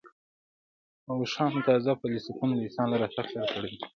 اوښانو تازه فسیلونه د انسان له راتګ سره تړلي دي.